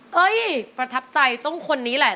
ประทับใจต้องคนนี้แหละ